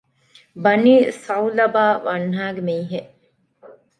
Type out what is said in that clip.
ބަނީ ޘަޢުލަބާ ވަންހައިގެ މީހެއް